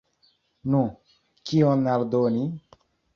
Nu, kion aldoni?